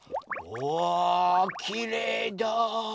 うわきれいだ。